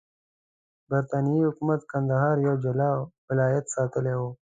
د برټانیې حکومت کندهار یو جلا ولایت ساتلی وو.